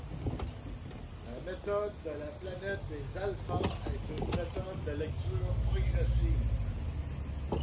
La méthode de La planète des alphas est une méthode de lecture progressive.